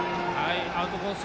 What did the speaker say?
アウトコース